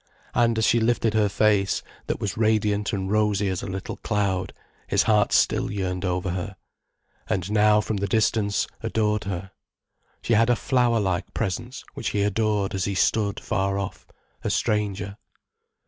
And as she lifted her face, that was radiant and rosy as a little cloud, his heart still yearned over her, and, now from the distance, adored her. She had a flower like presence which he adored as he stood far off, a stranger.